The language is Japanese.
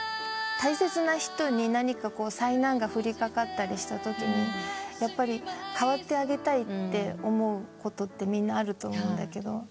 大切な人に何か災難が降り掛かったりしたときにやっぱり代わってあげたいって思うことってみんなあると思うんだけど。